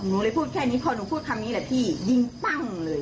หนูเลยพูดแค่นี้พอยหนูพูดคำนี้เดี่ยวเสียงบ้างเลย